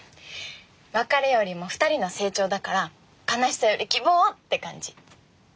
別れよりも２人の成長だから悲しさより希望って感じ。